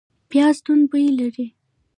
پیاز توند بوی لري